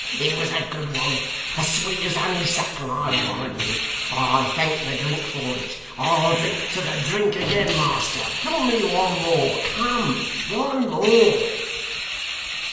It was a good one. As sweet as honeysuckle, I warrant you. I thank the drink for it. I'll drink to the drink again, master. Fill me one more. Come. One more!